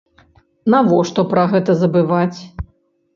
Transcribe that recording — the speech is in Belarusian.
Навошта пра гэта забываць?